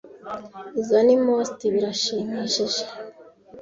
Izoi ni most birashimishije.